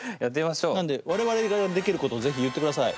なんで我々ができることを是非言ってください。